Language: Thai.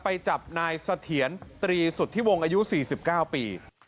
ไปจับนายเสถียรตรีสุทธิวงศ์อายุ๔๙ปี